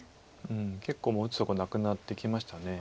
結構もう打つとこなくなってきました。